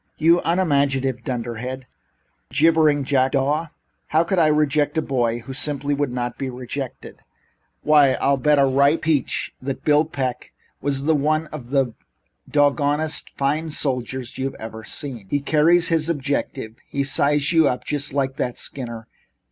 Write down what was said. "You unimaginative dunderhead! You jibbering jackdaw! How could I reject a boy who simply would not be rejected? Why, I'll bet a ripe peach that Bill Peck was one of the doggondest finest soldiers you ever saw. He carries his objective. He sized you up just like that, Skinner.